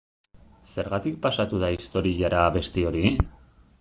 Zergatik pasatu da historiara abesti hori?